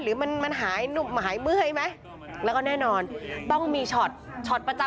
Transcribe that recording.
หรือมันมันหายหุบหายเมื่อยไหมแล้วก็แน่นอนต้องมีช็อตช็อตประจำ